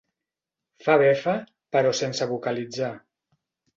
Fa befa però sense vocalitzar.